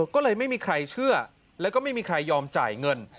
ก็เลยไม่มีใครเชื่อแล้วก็ไม่มีใครยอมจ่ายเงิน